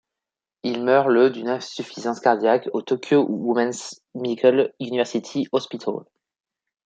Il meurt le d'une insuffisance cardiaque au Tokyo Women's Medical University Hospital.